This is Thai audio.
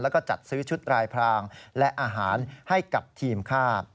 แล้วก็จัดซื้อชุดรายพรางและอาหารให้กับทีมค่า